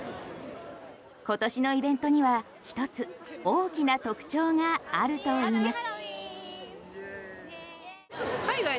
今年のイベントには１つ大きな特徴があるといいます。